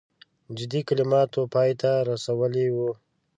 جدي کلماتو پای ته رسولی وو.